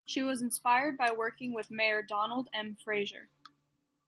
She was inspired by working with mayor Donald M. Fraser.